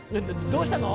どうしたの？